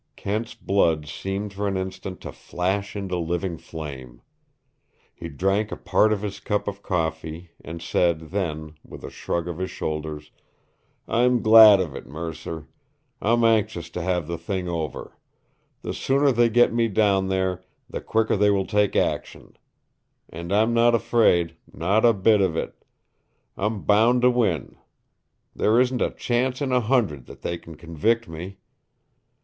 Kent's blood seemed for an instant to flash into living flame. He drank a part of his cup of coffee and said then, with a shrug of his shoulders: "I'm glad of it, Mercer. I'm anxious to have the thing over. The sooner they get me down there, the quicker they will take action. And I'm not afraid, not a bit of it. I'm bound to win. There isn't a chance in a hundred that they can convict me."